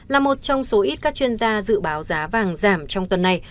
là một trong số ít các chuyên gia dự báo giá vàng giảm trong tuần này